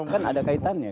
kan ada kaitannya